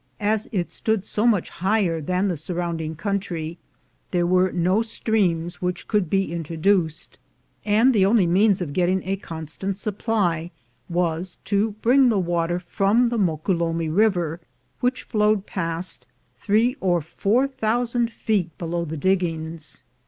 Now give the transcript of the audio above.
As it stood so much higher than the surrounding country, there were no streams which could be in troduced, and the only means of getting a constant supply was to bring the water from the Moquelumne River, which flowed past, three or four thousand feet below the diggings.